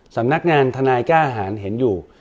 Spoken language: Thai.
สำนักงานทนายกล้าหารเห็นอยู่